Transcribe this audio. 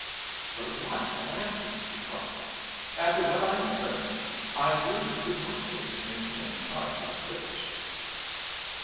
'But what an accident!' he cried; 'after what I have learnt I really could not think of making any charge for this privilege!'